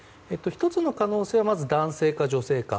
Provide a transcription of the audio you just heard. １つの可能性は男性か女性か。